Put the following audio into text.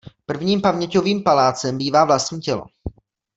Prvním paměťovým palácem bývá vlastní tělo.